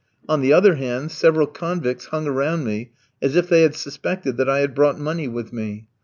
On the other hand, several convicts hung around me as if they had suspected that I had brought money with me.